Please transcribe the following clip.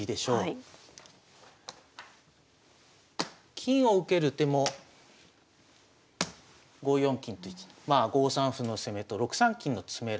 金を受ける手も５四金と打ちまあ５三歩の攻めと６三金の詰めろ